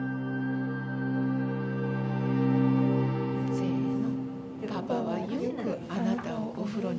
せの。